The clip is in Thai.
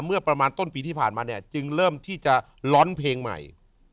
เมื่อประมาณต้นปีที่ผ่านมาเนี่ยจึงเริ่มที่จะร้อนเพลงใหม่